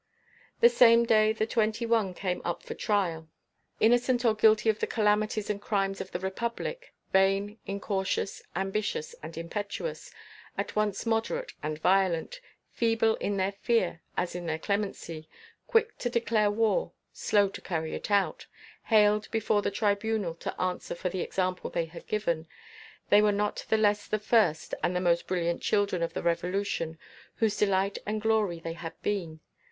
The same day the Twenty one came up for trial. Innocent or guilty of the calamities and crimes of the Republic, vain, incautious, ambitious and impetuous, at once moderate and violent, feeble in their fear as in their clemency, quick to declare war, slow to carry it out, haled before the Tribunal to answer for the example they had given, they were not the less the first and the most brilliant children of the Revolution, whose delight and glory they had been.